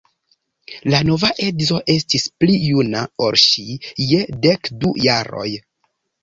La nova edzo estis pli juna ol ŝi je dek du jaroj.